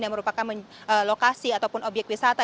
yang merupakan lokasi ataupun obyek wisata